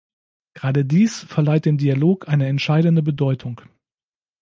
Gerade dies verleiht dem Dialog eine entscheidende Bedeutung.